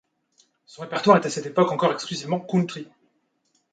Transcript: Son répertoire est à cette époque encore exclusivement country.